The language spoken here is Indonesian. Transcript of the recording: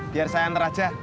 biar saya antar aja